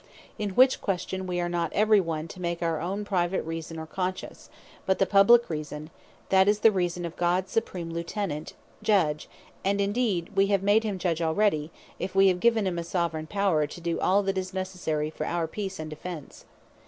In which question we are not every one, to make our own private Reason, or Conscience, but the Publique Reason, that is, the reason of Gods Supreme Lieutenant, Judge; and indeed we have made him Judge already, if wee have given him a Soveraign power, to doe all that is necessary for our peace and defence.